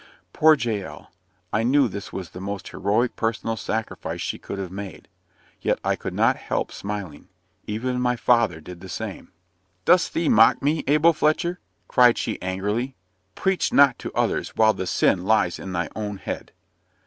Poor Jael! I knew this was the most heroic personal sacrifice she could have made, yet I could not help smiling; even my father did the same. "Dost thee mock me, Abel Fletcher?" cried she angrily. "Preach not to others while the sin lies on thy own head."